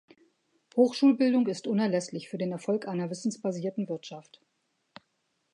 Hochschulbildung ist unerlässlich für den Erfolg einer wissensbasierten Wirtschaft.